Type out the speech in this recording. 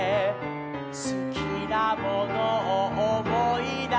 「すきなものをおもいだせば」